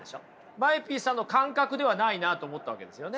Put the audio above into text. ＭＡＥＰさんの感覚ではないなと思ったわけですよね？